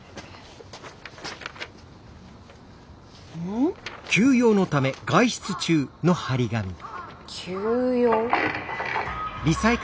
ん？急用？